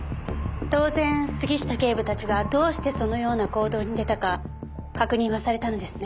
当然杉下警部たちがどうしてそのような行動に出たか確認はされたのですね？